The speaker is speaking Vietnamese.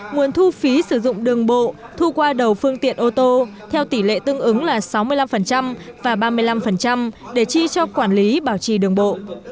nguồn thu phí sử dụng đường bộ thu qua đầu phương tiện ô tô theo tỷ lệ tương ứng là sáu mươi năm và ba mươi năm để chi cho quản lý bảo trì đường bộ